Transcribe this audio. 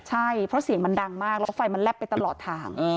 ใช่เพราะเสียงมันดังมากแล้วก็ไฟมันแลบไปตลอดทาง